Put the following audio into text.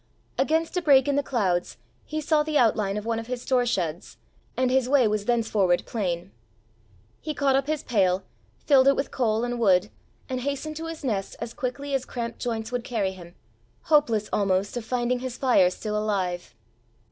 Against a break in the clouds he saw the outline of one of his store sheds, and his way was thenceforward plain. He caught up his pail, filled it with coal and wood, and hastened to his nest as quickly as cramped joints would carry him, hopeless almost of finding his fire still alive.